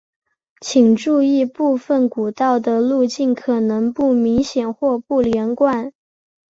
请注意部份古道的路径可能不明显或不连贯。